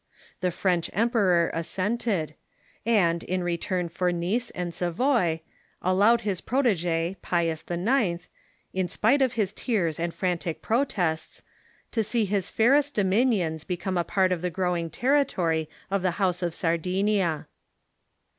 The French emperor assented, and, in return for Nice and Savoy, allowed his protege, Pius IX., in spite of his tears and frantic protests, to see his fairest dominions become a part of the growing territory of the house of Sardinia.